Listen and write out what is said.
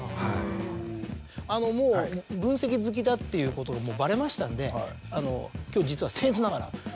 もう分析好きだっていうことがバレましたんで今日実は。